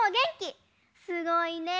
すごいね！